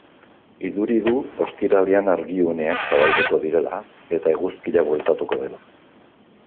Iduri du ostiralean argiuneak zabalduko direla eta eguzkia bueltatuko dela.